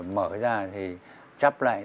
mở ra thì chắp lại